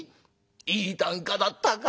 いい啖呵だったか。